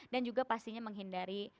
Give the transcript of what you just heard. dan juga pastinya menghindari